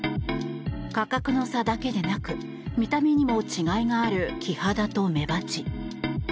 価格の差だけでなく見た目にも違いがあるキハダとメバチ。